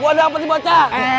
gue ada apa di baca